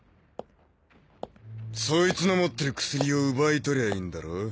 そいつの持ってる薬を奪いとりゃいいんだろ？